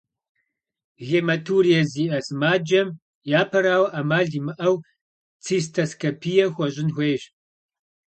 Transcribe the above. Гематурие зиӏэ сымаджэм, япэрауэ, ӏэмал имыӏэу цистоскопие хуэщӏын хуейщ.